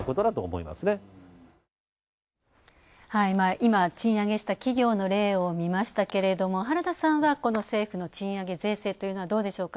今、賃上げした企業の例を見ましたけれども原田さんは、この政府の賃上げ税制というのはどうでしょうか？